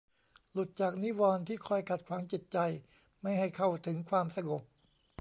หลุดจากนิวรณ์ที่คอยขัดขวางจิตใจไม่ให้เข้าถึงความสงบ